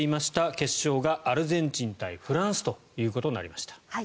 決勝がアルゼンチン対フランスということになりました。